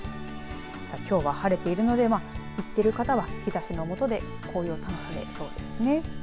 きょうは晴れているので行っている方は、日ざしのもとで紅葉を楽しめそうですね。